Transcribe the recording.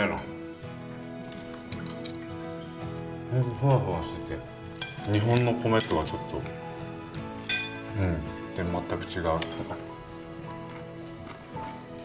フワフワしてて日本の米とはちょっと全く違う。